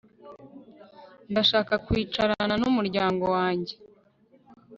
Ndashaka kwicarana numuryango wanjye